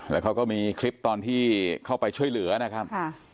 แล้วเขาก็มีคลิปตอนที่เข้าไปช่วยเหลือนะครับ